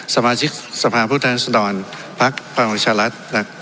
สมาชิกสำหรับผู้ทางสนวันภักดิ์ประวังชาหรัฐ